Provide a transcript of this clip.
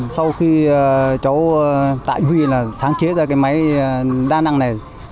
sau khi cháu tại huy là sáng chế ra cái máy đa năng này